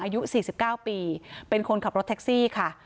อายุสี่สิบเก้าปีเป็นคนขับรถแท็กซี่ค่ะ